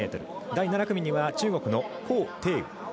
第７組には中国の高亭宇。